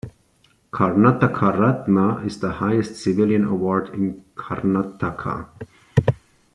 Karnataka Ratna is the highest civilian award in Karnataka.